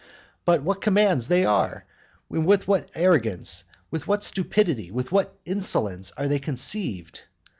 But what commands they are! With what arrogance, with what stupidity, with what insolence are they conceived!